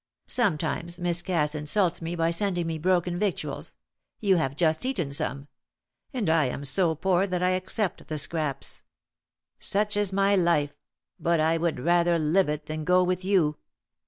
Sometimes Miss Cass insults me by sending me broken victuals you have just eaten some and I am so poor that I accept the scraps. Such is my life, but I would rather live it than go with you."